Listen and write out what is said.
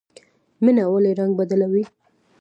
مڼه ولې رنګ بدلوي؟